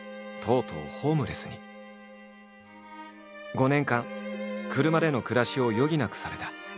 ５年間車での暮らしを余儀なくされた。